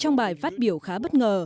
trong bài phát biểu khá bất ngờ